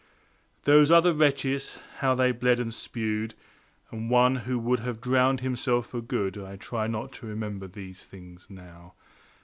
Those other wretches, how they bled and spewed, And one who would have drowned himself for good, I try not to remember these things now.